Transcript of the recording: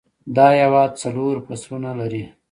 دا هیواد څلور فصلونه لري